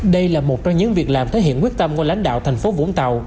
đây là một trong những việc làm thể hiện quyết tâm của lãnh đạo tp vũng tàu